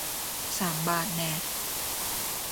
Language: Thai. สามบาทแน่ะ